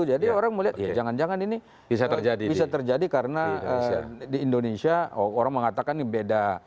jadi orang melihat ya jangan jangan ini bisa terjadi karena di indonesia orang mengatakan ini beda